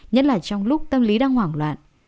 nhất là trong lúc tâm lý đang hoảng loạn